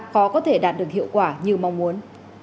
khó có thể đạt được hiệu quả như mong muốn